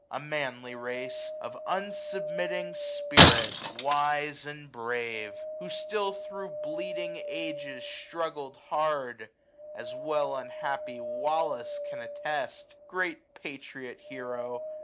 A manly race^ 89 j AUTUMN. 155 Of unsubmitting spirit, "wise and brave ; Who £till thro' bleeding ages struggled hard, (As well unhappy Wallace can attest. Great patriot hero